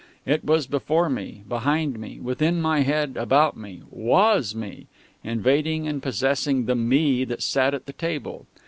It was before me, behind me, within my head, about me, was me, invading and possessing the "me" that sat at the table.